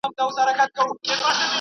ما پرون د سبا لپاره د ليکلو تمرين وکړ!.